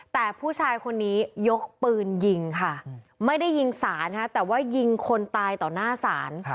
แต่ผู้ชายคนนี้ยกปืนยิงค่ะไม่ได้ยิงศาลแต่ว่ายิงคนตายต่อหน้าศาล